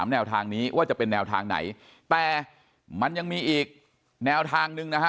แนวทางนี้ว่าจะเป็นแนวทางไหนแต่มันยังมีอีกแนวทางหนึ่งนะฮะ